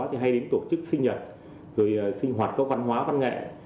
thì hay đến tổ chức sinh nhật rồi sinh hoạt các văn hóa văn nghệ